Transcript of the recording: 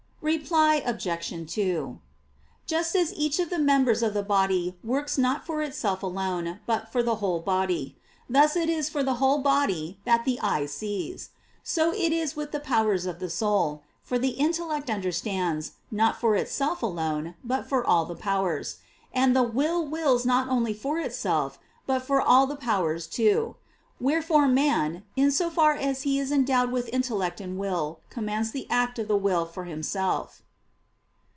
Reply Obj. 2: Just as each of the members of the body works not for itself alone but for the whole body; thus it is for the whole body that the eye sees; so is it with the powers of the soul. For the intellect understands, not for itself alone, but for all the powers; and the will wills not only for itself, but for all the powers too. Wherefore man, in so far as he is endowed with intellect and will, commands the act of the will for himself.